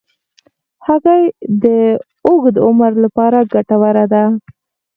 هګۍ د اوږد عمر لپاره ګټوره ده.